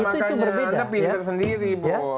itulah makanya anda pinter sendiri bos